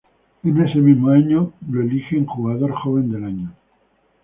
En ese mismo año es elegido "Jugador Joven del Año".